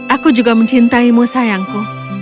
aku juga mencintaimu sayangku